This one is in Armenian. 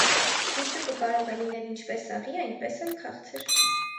Միջուկը կարող է լինել ինչպես աղի այնպես էլ քաղցր։